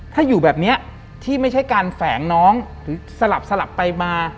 ที่ไม่ใช่การแฝงน้องหรือสลับไปมา